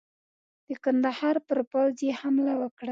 د کندهار پر پوځ یې حمله وکړه.